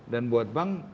dan buat bank